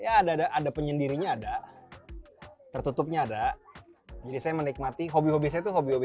ada ada penyendirinya ada tertutupnya ada jadi saya menikmati hobi hobi saya itu hobi hobi